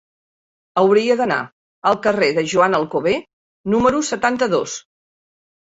Hauria d'anar al carrer de Joan Alcover número setanta-dos.